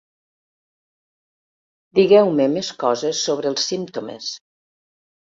Digueu-me més coses sobre els símptomes.